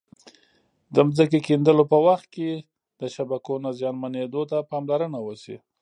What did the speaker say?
د ځمکې کیندلو په وخت کې د شبکو نه زیانمنېدو ته پاملرنه وشي.